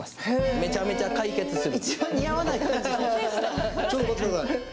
めちゃめちゃ解決する。